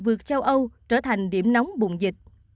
vượt châu âu trở thành điểm nóng bùng dịch